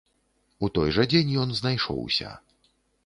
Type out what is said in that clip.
У той жа дзень ён знайшоўся.